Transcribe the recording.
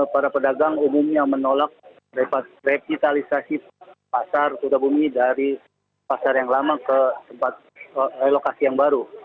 para pedagang umumnya menolak revitalisasi pasar kota bumi dari pasar yang lama ke lokasi yang baru